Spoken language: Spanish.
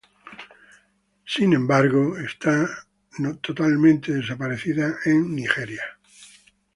Sin embargo, está totalmente desaparecida en Nigeria.